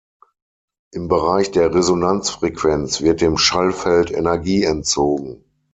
Im Bereich der Resonanzfrequenz wird dem Schallfeld Energie entzogen.